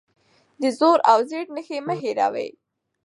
د زور او زېر نښې مه هېروه.